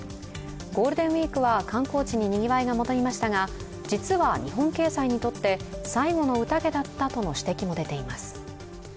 ゴールデンウイークは観光地ににぎわいが戻りましたが実は日本経済にとって最後の宴だったとの指摘も出ています。